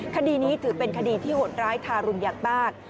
คตีนี้ถือเป็นคตีที่หดร้ายทารุมยักษ์มาก